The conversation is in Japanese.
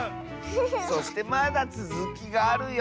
そしてまだつづきがあるよ！